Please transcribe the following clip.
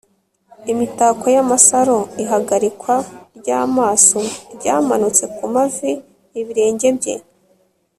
imitako yamasaro ihagarikwa ryamasaro ryamanutse kumavi. ibirenge bye